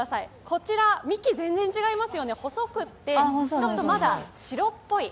こちら、幹、全然違いますよね、細くてまだ白っぽい。